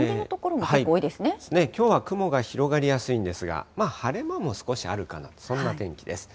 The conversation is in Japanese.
きょうは雲が広がりやすいんですが、晴れ間も少しあるかなと、そんな天気です。